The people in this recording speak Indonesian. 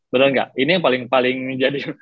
bener gak ini yang paling jadi